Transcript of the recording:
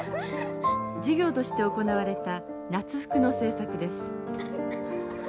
授業として行われた夏服の制作です。